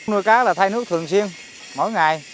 nuôi cá là thay nước thường xuyên mỗi ngày